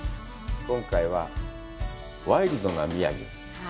今回はワイルドな宮城？